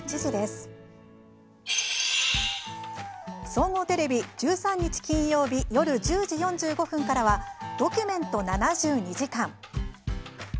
総合テレビ、１３日金曜日夜１０時４５分からは「ドキュメント７２時間」。